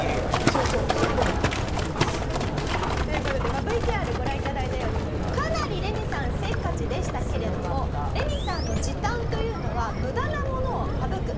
そうそうそう入ってる。という事でまあＶＴＲご覧いただいたようにかなりレミさんせっかちでしたけれどもレミさんの時短というのは無駄なものを省く。